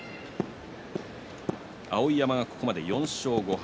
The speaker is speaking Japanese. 碧山はここまで４勝５敗。